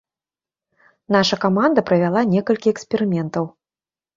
Наша каманда правяла некалькі эксперыментаў.